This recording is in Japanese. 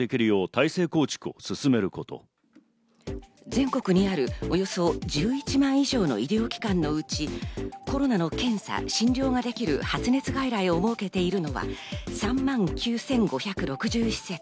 全国にあるおよそ１１万以上の医療機関のうち、コロナの検査・診療ができる発熱外来を設けているのは３万９５６０施設。